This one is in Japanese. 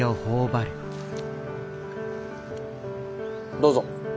どうぞ。